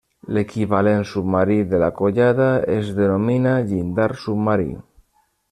L'equivalent submarí de la collada es denomina llindar submarí.